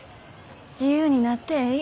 自由になってえい。